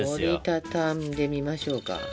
折りたたんでみましょうか。